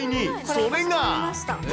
それが。